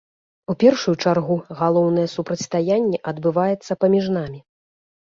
У першую чаргу галоўнае супрацьстаянне адбываецца паміж намі.